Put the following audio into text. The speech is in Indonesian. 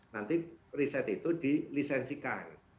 nanti riset itu dilisensikan